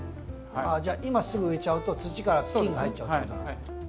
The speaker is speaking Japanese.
じゃあ今すぐ植えちゃうと土から菌が入っちゃうってことなんですか。